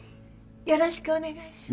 よろしくお願いします。